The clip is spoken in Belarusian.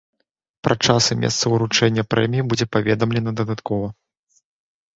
Пра час і месца ўручэння прэміі будзе паведамлена дадаткова.